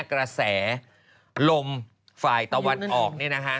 กระแสลมฝ่ายตะวันออก